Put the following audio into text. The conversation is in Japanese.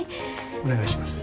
お願いします。